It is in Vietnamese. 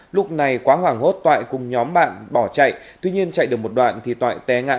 lúc này quá hoảng hốt toại cùng nhóm bạn bỏ chạy tuy nhiên chạy được một đoạn thì toại té ngã